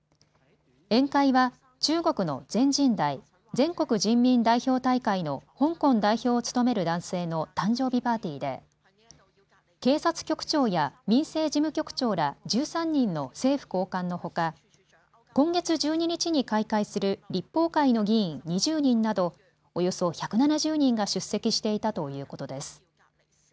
宴会は中国の全人代・全国人民代表大会の香港代表を務める男性の誕生日パーティーで警察局長や民政事務局長ら１３人の政府高官のほか今月１２日に開会する立法会の議員２０人などおよそ１７０人が出席していたということです。